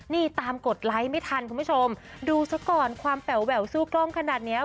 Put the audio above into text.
นี่ตามกดไลค์ไม่ทันคุณผู้ชมดูซะก่อนความแป๋วแหววสู้กล้องขนาดเนี้ย